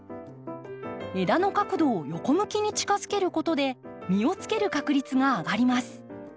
枝の角度を横向きに近づけることで実をつける確率が上がります。